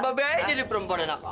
mbak be jadi perempuan enak